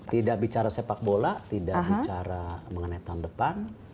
tidak bicara sepak bola tidak bicara mengenai tahun depan